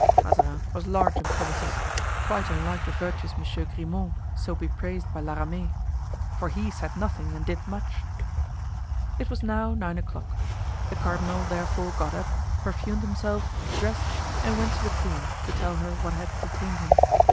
Mazarin was large in promises,—quite unlike the virtuous Monsieur Grimaud so bepraised by La Ramee; for he said nothing and did much. It was now nine o'clock. The cardinal, therefore, got up, perfumed himself, dressed, and went to the queen to tell her what had detained him.